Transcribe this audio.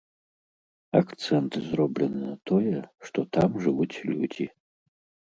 Акцэнт зроблены на тое, што там жывуць людзі.